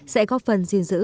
sẽ có phần giam giữ